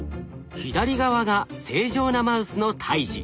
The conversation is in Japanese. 左側が正常なマウスの胎児。